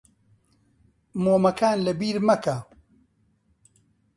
مۆمەکان لەبیر مەکە.